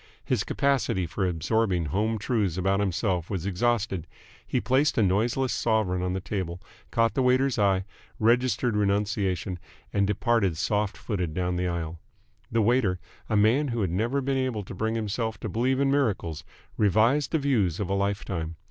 His capacity for absorbing home truths about himself was exhausted. He placed a noiseless sovereign on the table, caught the waiter's eye, registered renunciation, and departed soft footed down the aisle. The waiter, a man who had never been able to bring himself to believe in miracles, revised the views of a life time.